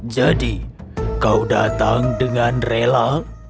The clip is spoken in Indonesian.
jadi kau datang dengan rela